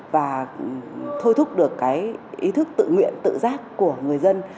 và thôi thúc được cái ý thức tự nguyện tự giác của người dân